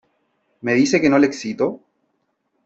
¿ me dice que no le excito ?